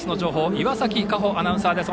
岩崎果歩アナウンサーです。